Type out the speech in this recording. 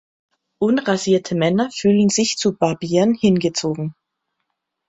Unrasierte Männer fühlen sich zu Barbieren hingezogen.